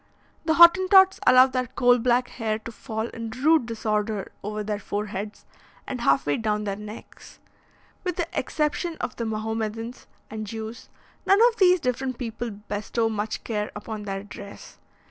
The Hottentots allow their coal black hair to fall in rude disorder over their foreheads and half way down their necks. With the exception of the Mahomedans and Jews, none of these different people bestow much care upon their dress.